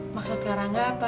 maksud karangnya apa